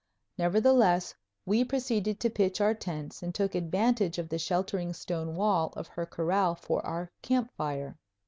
Nevertheless, we proceeded to pitch our tents and took advantage of the sheltering stone wall of her corral for our camp fire.